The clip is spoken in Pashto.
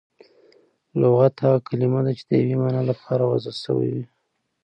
لغت هغه کلیمه ده، چي د یوې مانا له پاره وضع سوی وي.